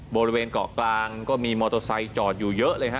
บริเวณเกาะกลางก็มีมอเตอร์ไซค์จอดอยู่เยอะเลยฮะ